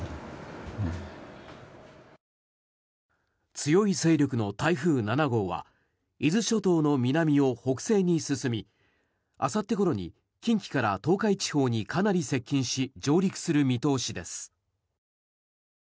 強い勢力の台風７号は伊豆諸島の南を北西に進みあさってごろに近畿から東海地方にかなり接近し上陸する見通しです。